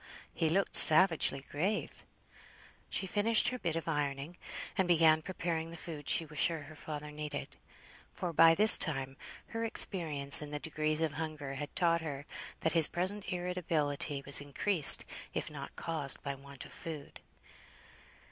he looked savagely grave. She finished her bit of ironing, and began preparing the food she was sure her father needed; for by this time her experience in the degrees of hunger had taught her that his present irritability was increased, if not caused, by want of food.